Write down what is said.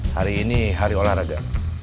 hari ini hari olahraga